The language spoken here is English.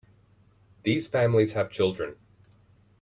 These families have children.